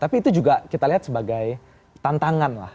tapi itu juga kita lihat sebagai tantangan lah